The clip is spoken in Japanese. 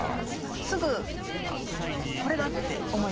すぐこれだ！って思い付きました？